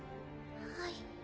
はい。